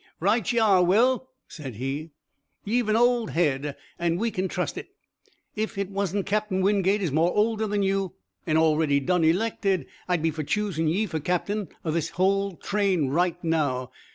"Right ye air, Will!" said he. "Ye've an old head, an' we kin trust hit. Ef hit wasn't Cap'n Wingate is more older than you, an' already done elected, I'd be for choosin' ye fer cap'n o' this here hull train right now.